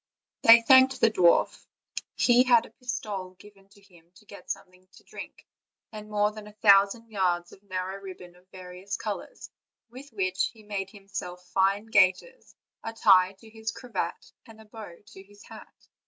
They thanked the dwarf; he had a pistole given to him to get something to drink, and more than a thou sand yards of narrow ribbon of various colors, with which he made himself fine gaiters, a tie to his cravat, and a bow to his hat.